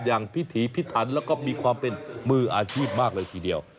พิถีพิถันแล้วก็มีความเป็นมืออาชีพมากเลยทีเดียว